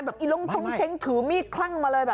แบบลองท้องเช้นถือมิ้วคลั่งหนึ่งเลย